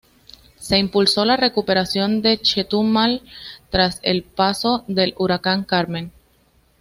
Se impulsó la recuperación de Chetumal tras el paso del huracán Carmen.